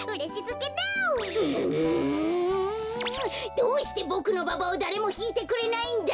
どうしてボクのババをだれもひいてくれないんだ！